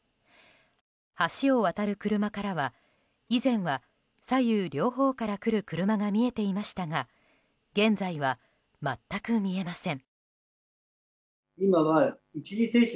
橋を渡る車からは、以前は左右両方から来る車が見えていましたが現在は全く見えません。